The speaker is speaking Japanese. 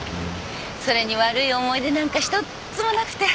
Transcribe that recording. それに悪い思い出なんか一つもなくて。